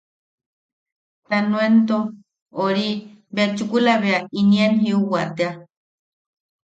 Ta nuento... ori... bea chukula bea nian jiuwa tea.